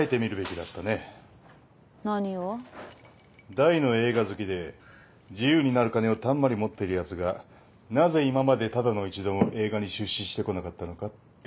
大の映画好きで自由になる金をたんまり持ってるやつがなぜ今までただの一度も映画に出資してこなかったのかってことだよ。